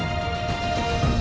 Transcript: nah ini sudah hilang